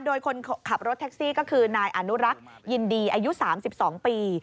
โดยคนขับรถแท็กซี่ก็คือนายอนุรักษ์ยินดีอายุ๓๒ปี